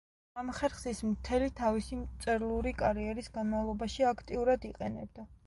ამ ხერხს ის მთელი თავისი მწერლური კარიერის განმავლობაში აქტიურად იყენებდა.